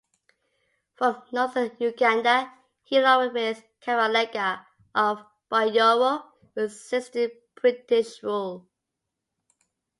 From Northern Uganda, he, along with Kabalega of Bunyoro resisted British rule.